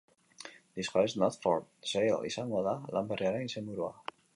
This house is not for sale izango da lan berriaren izenburua.